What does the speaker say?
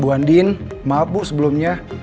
bu andin maaf bu sebelumnya